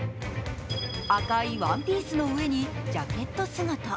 赤いワンピースの上にジャケット姿。